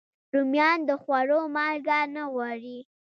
رومیان د خوړو مالګه نه غواړي